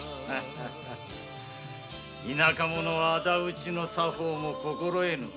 田舎者は仇討ちの作法も心得ぬわ。